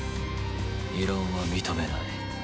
異論は認めない。